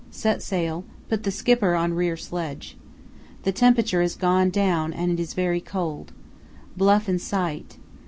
Set sail; put the Skipper on rear sledge. The temperature has gone down and it is very cold. Bluff in sight.